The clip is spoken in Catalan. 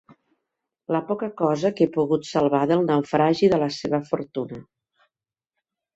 La poca cosa que he pogut salvar del naufragi de la seva fortuna.